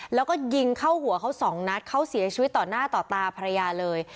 แล้วก็ยิงเข้าหัวเขาสองนัดเขาเสียชีวิตต่อหน้าต่อตาภรรยาเลย